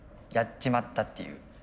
やっちまったっていう。